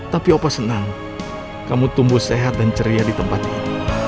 tapi opo senang kamu tumbuh sehat dan ceria di tempat ini